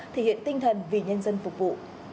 thể hiện tinh thần vì nhân dân phục vụ